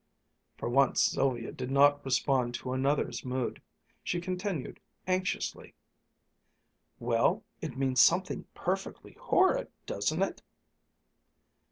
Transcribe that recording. For once Sylvia did not respond to another's mood. She continued anxiously, "Well, it means something perfectly horrid, doesn't it?"